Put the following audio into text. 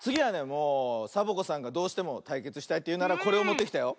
もうサボ子さんがどうしてもたいけつしたいというならこれをもってきたよ。